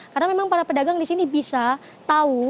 karena memang para pedagang di sini bisa tahu